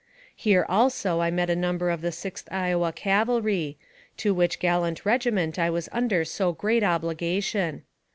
Here, also, I met a num ber of the Sixth Iowa Cavalry, to which gallant regi ment I was under so great obligation.